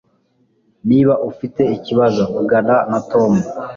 Niba ufite ikibazo, vugana na Tom.